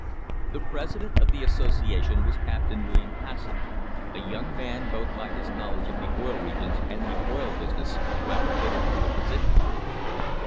The president of the association was Captain William Has son, a young man both by his knowledge of the Oil Regions and the oil business well fitted for the position.